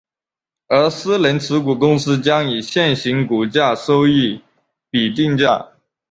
而私人持股公司将以现行股价收益比定价。